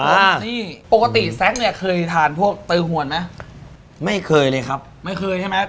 นี่ปกติแซ็กเนี่ยเคยทานพวกตือหวนไหมไม่เคยเลยครับไม่เคยใช่ไหม